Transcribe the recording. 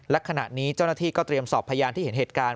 และขณะนี้เจ้าหน้าที่ก็เตรียมสอบพยานที่เห็นเหตุการณ์